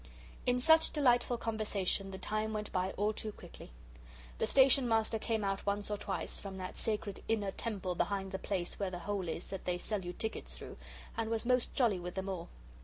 In such delightful conversation the time went by all too quickly. The Station Master came out once or twice from that sacred inner temple behind the place where the hole is that they sell you tickets through, and was most jolly with them all.